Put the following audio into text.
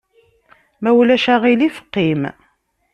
Ma ulac aɣilif qim!